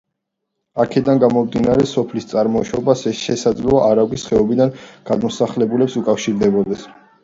აქედან გამომდინარე, სოფლის წარმოშობა შესაძლოა არაგვის ხეობიდან გადმოსახლებულებს უკავშირდებოდეს.